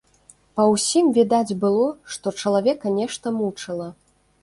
Па ўсім відаць было, што чалавека нешта мучыла.